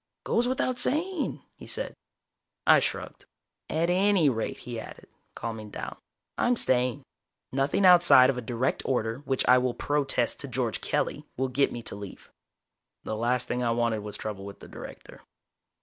Goes without saying," he said. I shrugged. "At any rate," he added, calming down. "I'm staying. Nothing outside of a direct order, which I will protest to George Kelly, will get me to leave." The last thing I wanted was trouble with the Director.